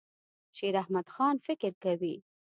شیراحمدخان فکر کوي.